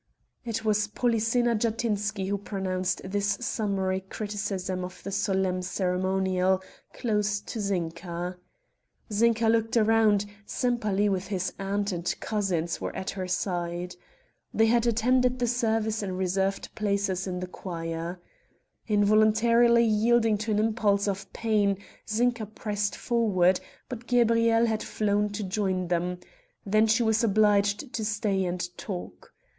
It was Polyxena Jatinsky who pronounced this summary criticism of the solemn ceremonial, close to Zinka. Zinka looked round; Sempaly with his aunt and cousins were at her side. They had attended the service in reserved places in the choir. Involuntarily yielding to an impulse of pain Zinka pressed forward, but Gabrielle had flown to join them; then she was obliged to stay and talk.